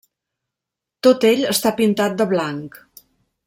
Tot ell està pintat de blanc.